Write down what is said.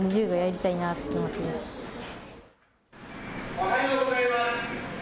おはようございます。